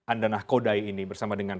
andanah kodai ini bersama dengan